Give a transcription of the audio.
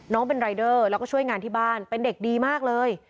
เป็นรายเดอร์แล้วก็ช่วยงานที่บ้านเป็นเด็กดีมากเลย